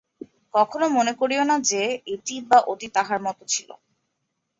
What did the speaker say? কখনও মনে করিও না যে, এটি বা ওটি তাঁহার মত ছিল।